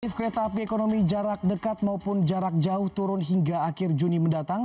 tarif kereta api ekonomi jarak dekat maupun jarak jauh turun hingga akhir juni mendatang